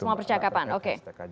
semua percakapan oke